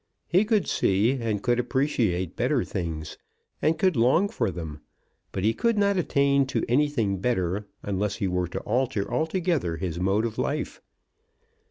He could see and could appreciate better things, and could long for them; but he could not attain to anything better unless he were to alter altogether his mode of life.